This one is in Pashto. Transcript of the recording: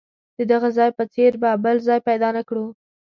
د دغه ځای په څېر به بل ځای پیدا نه کړو.